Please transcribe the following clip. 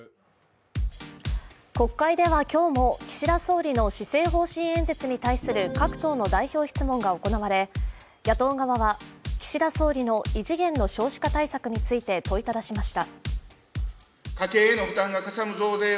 国会では今日も岸田総理の施政方針演説に対する各党の代表質問が行われ野党側は岸田総理の異次元の少子化対策について問いただしました。